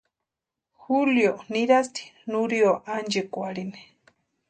Julio nirasti Nurio ánchekwarhini.